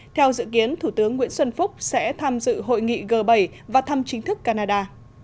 theo dự kiến thủ tướng nguyễn xuân phúc sẽ tham dự hội nghị g bảy và thăm chính thức canada